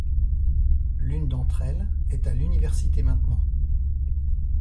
L'une d'entre elles est à l'université maintenant.